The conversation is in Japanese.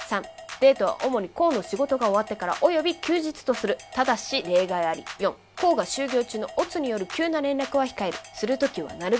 ３デートは主に甲の仕事が終わってからおよび休日とする４甲が就業中の乙による急な連絡は控える